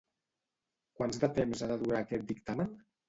Quants de temps ha de durar aquest dictamen?